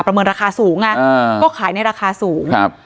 เมินราคาสูงอ่ะอ่าก็ขายในราคาสูงครับ